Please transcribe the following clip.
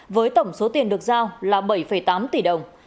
với tổng số tiền được giao là bảy tám tỷ đồng